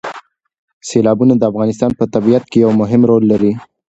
سیلابونه د افغانستان په طبیعت کې یو مهم رول لري.